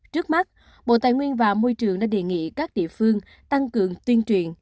trước mắt bộ tài nguyên và môi trường đã đề nghị các địa phương tăng cường tuyên truyền